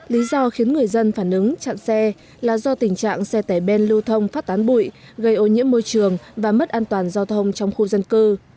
lý do khiến người dân phản ứng chặn xe là do tình trạng xe tải ben lưu thông phát tán bụi gây ô nhiễm môi trường và mất an toàn giao thông trong khu dân cư